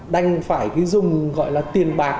đành phải cái dùng gọi là tiền bạc